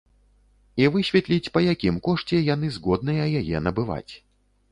І высветліць, па якім кошце яны згодныя яе набываць.